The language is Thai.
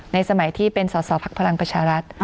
สมัยที่เป็นสอสอภักดิ์พลังประชารัฐ